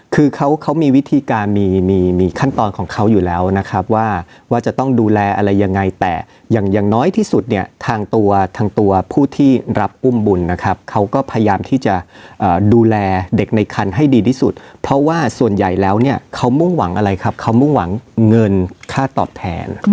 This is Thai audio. คือเขามีวิธีการมีมีขั้นตอนของเขาอยู่แล้วนะครับว่าว่าจะต้องดูแลอะไรยังไงแต่อย่างอย่างน้อยที่สุดเนี่ยทางตัวทางตัวผู้ที่รับอุ้มบุญนะครับเขาก็พยายามที่จะดูแลเด็กในคันให้ดีที่สุดเพราะว่าส่วนใหญ่แล้วเนี่ยเขามุ่งหวังอะไรครับเขามุ่งหวังเงินค่าตอบแทน